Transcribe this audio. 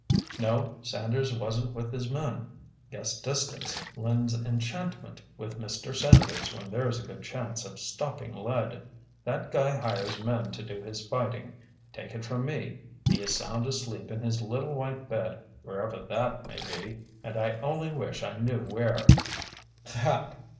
"No, Sanders wasn't with his men. Guess distance lends enchantment with Mr. Sanders when there's a good chance of stopping lead! That guy hires men to do his fighting. Take it from me, he is sound asleep in his little white bed, wherever that may be—and I only wish I knew where!"